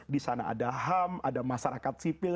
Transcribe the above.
di sana ada ham ada masyarakat sipil